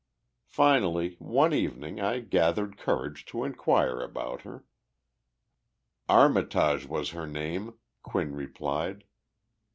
Finally, one evening I gathered courage to inquire about her. "Armitage was her name," Quinn replied.